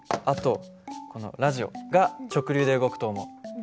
あとこのラジオが直流で動くと思う。